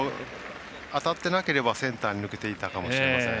当たってなければセンターに抜けていたかもしれません。